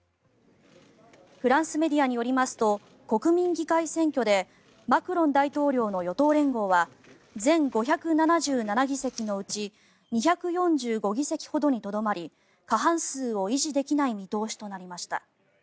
フランスメディアによりますと国民議会選挙でマクロン大統領の与党連合は全５７７議席のうち２４５議席ほどにとどまり過半数を維持できない見通しとなりました。